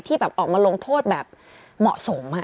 แบบออกมาลงโทษแบบเหมาะสม